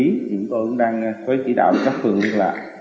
thì chúng tôi cũng đang khuấy chỉ đạo các phường như là